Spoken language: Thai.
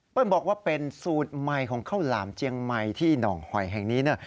บอกว่าเป็นสูตรใหม่ของข้าวหลามเจียงใหม่ที่หนองหอยแห่งนี้เนี่ย